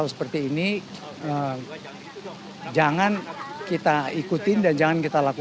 saya tidak paham